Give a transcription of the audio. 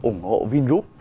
ủng hộ vingroup